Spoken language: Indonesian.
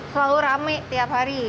selalu rame tiap hari